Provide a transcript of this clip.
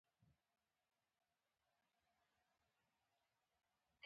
شاوخوا سل متره لرې یوه دروازه وه.